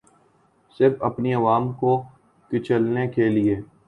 صرف اپنی عوام کو کچلنے کیلیے